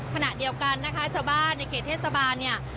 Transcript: ขณะเดียวกันนะคะชาวบ้านในเขตเทศบาลเนี่ย